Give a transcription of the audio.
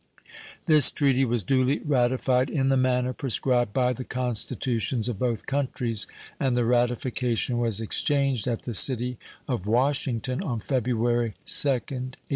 This treaty was duly ratified in the manner prescribed by the constitutions of both countries, and the ratification was exchanged at the city of Washington on February 2d, 1832.